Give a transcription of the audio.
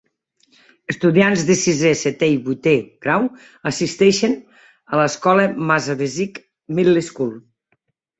Estudiants de sisè, setè i vuitè grau assisteixen a l'escola Massabesic Middle School.